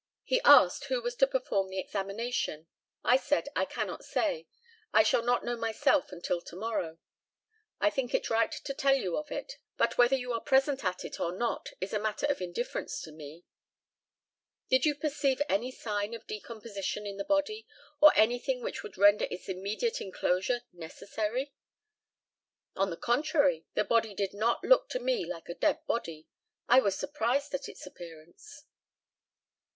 He asked who was to perform the examination. I said, "I cannot say. I shall not know myself until to morrow. I think it right to tell you of it; but, whether you are present at it or not is a matter of indifference to me." On the Friday, when Palmer gave orders for the shell, did you perceive any sign of decomposition in the body, or anything which would render its immediate enclosure necessary? On the contrary, the body did not look to me like a dead body. I was surprised at its appearance.